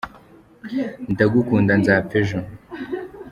ndagukunda nzapfa ejo